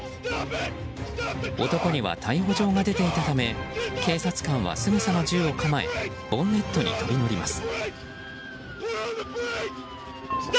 男には逮捕状が出ていたため警察官はすぐさま銃を構えボンネットに飛び乗ります。